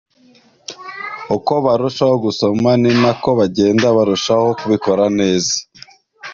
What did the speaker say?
Uko barushaho gusoma ni nako bagenda barushaho kubikora neza.